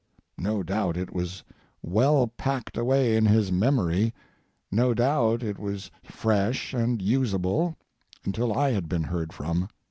No doubt it was well packed away in his memory, no doubt it was fresh and usable, until I had been heard from.